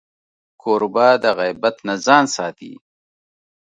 کوربه د غیبت نه ځان ساتي.